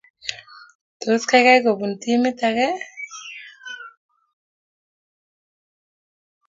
Tos kaigas kopun timit ake?